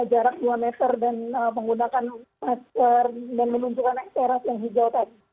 jarak dua meter dan menggunakan masker dan menunjukkan eksteras yang hijau tadi